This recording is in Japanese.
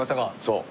そう。